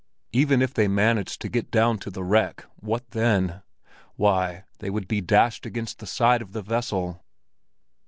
Even if they managed to get down to the wreck, what then? Why, they would be dashed against the side of the vessel!